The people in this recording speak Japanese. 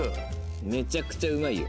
めちゃくちゃうまいよ。